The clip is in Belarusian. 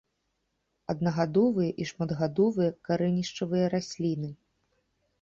Аднагадовыя і шматгадовыя карэнішчавыя расліны.